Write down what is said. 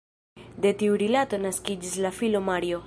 De tiu rilato naskiĝis la filo Mario.